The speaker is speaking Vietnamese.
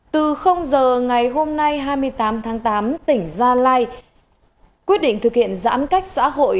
từ giờ ngày hôm nay hai mươi tám tháng tám tỉnh gia lai quyết định thực hiện giãn cách xã hội